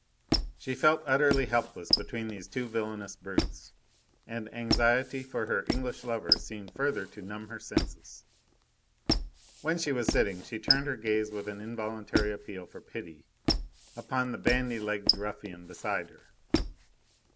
She felt utterly helpless between these two villainous brutes, and anxiety for her English lover seemed further to numb her senses. When she was sitting she turned her gaze, with an involuntary appeal for pity, upon the bandy legged ruffian beside her.